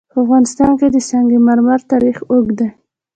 په افغانستان کې د سنگ مرمر تاریخ اوږد دی.